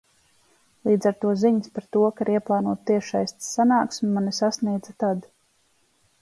Līdz ar to ziņas par to, ka ir ieplānota tiešsaistes sanāksme, mani sasniedza tad.